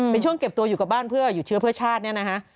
เป็นช่วงเก็บตัวอยู่กับบ้านเพื่อหยุดเชื้อเพื่อชาติเนี่ยนะฮะ